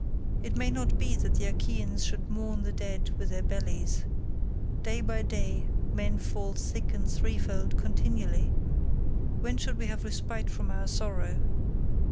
It may not be that the Achaeans should mourn the dead with their bellies; day by day men fall thick and threefold continually; when should we have respite from our sorrow?